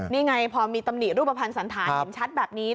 นี่ไงพอมีตำหนิรูปภัณฑ์สันธารเห็นชัดแบบนี้